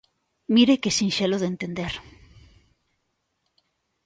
¡Mire que sinxelo de entender!